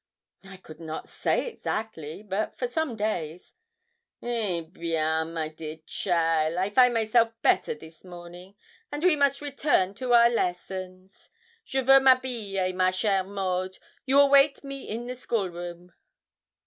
'I could not say exactly, but for some days.' 'Eh bien, my dear cheaile, I find myself better this morning, and we must return to our lessons. Je veux m'habiller, ma chère Maud; you will wait me in the school room.'